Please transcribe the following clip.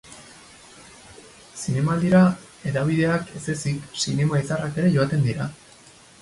Zinemaldira hedabideak ez ezik zinema izarrak ere joaten dira.